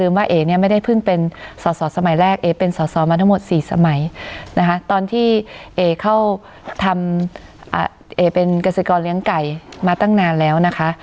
มาทั้งหมดสี่สมัยนะคะตอนที่เอเข้าทำเอเป็นเกษตรกรเลี้ยงไก่มาตั้งนานแล้วนะคะ